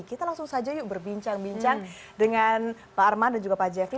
kita langsung saja yuk berbincang bincang dengan pak arman dan juga pak jeffrey